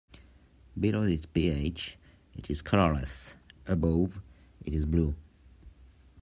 Below this pH, it is colorless; above, it is blue.